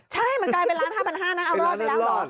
ใช่มันกลายเป็นร้าน๕๕๐๐นะเอารอด